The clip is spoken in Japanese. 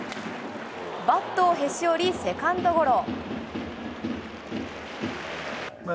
バットをへし折り、セカンドゴロ。